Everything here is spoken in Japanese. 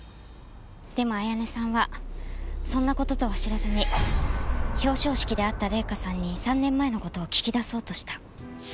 でも彩音さんはそんな事とは知らずに表彰式で会った礼香さんに３年前の事を聞き出そうとした。